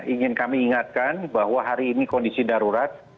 ingin kami ingatkan bahwa hari ini kondisi darurat